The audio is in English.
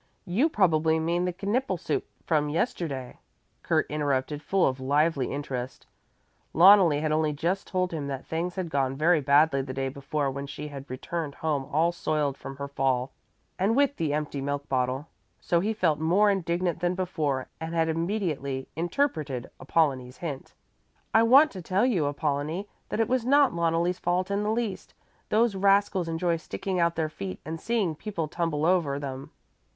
"You probably mean the Knippel soup from yesterday?" Kurt interrupted, full of lively interest. Loneli had only just told him that things had gone very badly the day before when she had returned home all soiled from her fall and with the empty milk bottle. So he felt more indignant than before and had immediately interpreted Apollonie's hint. "I want to tell you, Apollonie, that it was not Loneli's fault in the least. Those rascals enjoy sticking out their feet and seeing people tumble over them."